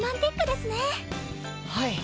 はい！